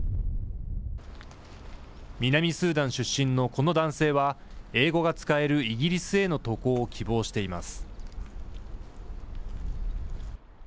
南スーダン出身のこの男性は、英語が使えるイギリスへの渡航を希望しています。